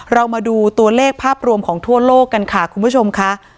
เรามาดูตัวเลขภาพรวมของทั่วโลกกันค่ะคุณผู้ชมค่ะ